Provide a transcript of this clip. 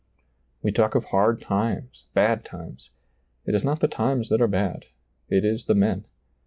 We talk of hard times, bad times ; it is not the times that are bad, it is the men.